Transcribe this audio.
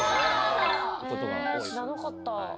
・へぇ知らなかった。